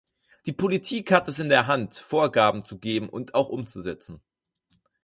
Die Politik hat es in der Hand, Vorgaben zu geben und auch umzusetzen.